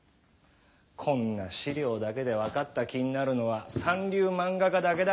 こんな資料だけで分かった気になるのは三流漫画家だけだ。